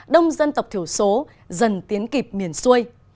đông dân tộc thiểu số dần tiến kịp miền xuôi